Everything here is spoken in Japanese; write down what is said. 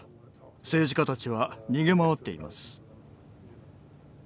政治家たちは逃げ回っています。